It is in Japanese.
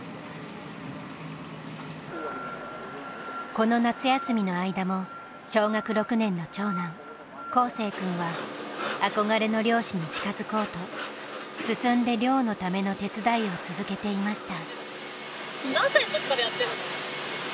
この夏休みの間も小学６年の長男航世君は憧れの漁師に近づこうと進んで漁のための手伝いを続けていました。